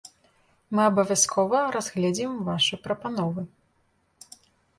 Мы абавязкова разгледзім вашы прапановы.